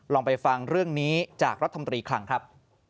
ลองไปฟังเรื่องนี้จากรัฐมนตรีคลังครับ